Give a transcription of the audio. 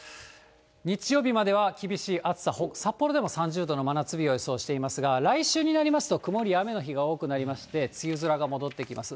日曜日までは厳しい暑さ、札幌でも３０度の真夏日を予想していますが、来週になりますと、曇りや雨の日が多くなりまして、梅雨空が戻ってきます。